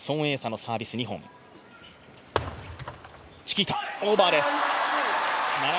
チキータ、オーバーです。